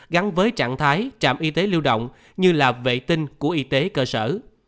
gắn với trạng thái trạm y tế lưu động như là vệ tinh của y tế cơ sở